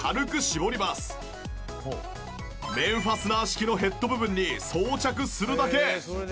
面ファスナー式のヘッド部分に装着するだけ。